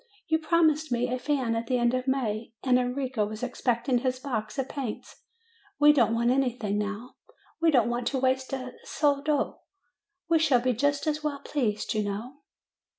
You promised me a fan at the end of May, and Enrico was expecting his box of paints. We don't want any thing now; we don't want to waste a soldo; we shall be just as well pleased, you know."